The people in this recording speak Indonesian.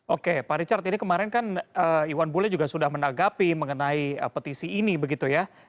oke pak richard ini kemarin kan iwan bule juga sudah menanggapi mengenai petisi ini begitu ya